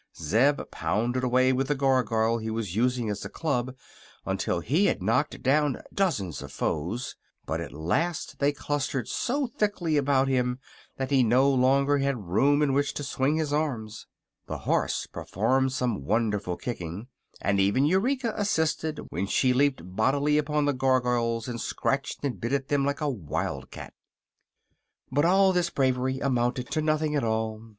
Zeb pounded away with the Gargoyle he was using as a club until he had knocked down dozens of foes; but at the last they clustered so thickly about him that he no longer had room in which to swing his arms. The horse performed some wonderful kicking and even Eureka assisted when she leaped bodily upon the Gargoyles and scratched and bit at them like a wild cat. But all this bravery amounted to nothing at all.